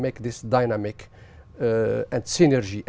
mặc dù việt nam là nơi